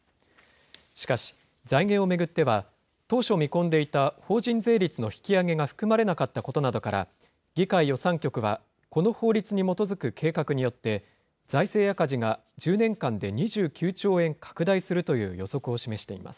しかし財源を巡っては、当初見込んでいた、法人税率の引き上げが含まれなかったことなどから、議会予算局はこの法律に基づく計画によって、財政赤字が１０年間で２９兆円拡大するという予測を示しています。